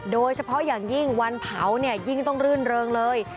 โดยเฉพาะอย่างยิ่งวันเผาเนี่ยยิ่งต้องรื่นเริงเลย